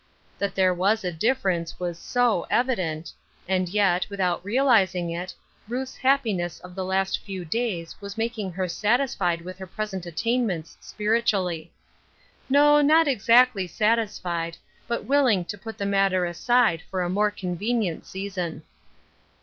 That there was a dif ference was so evident ; and yet, without realiz ing it, Ruth's happiness of the last few days was making her satisfied with her present attainments spiritually. No, not exactly satisfied, but will ing to put the matter aside for a more convenient season.